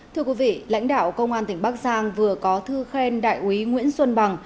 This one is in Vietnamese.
thưa quý vị lãnh đạo công an tỉnh bắc giang vừa có thư khen đại úy nguyễn xuân bằng